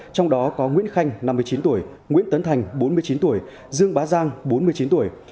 trong đó có nguyễn khanh năm mươi chín tuổi nguyễn tấn thành bốn mươi chín tuổi dương bá giang bốn mươi chín tuổi